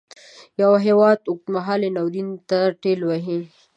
یو هیواد اوږد مهالي ناورین ته ټېل وهي.